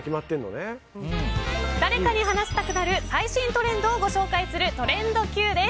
誰かに話したくなる最新トレンドをご紹介するトレンドＱです。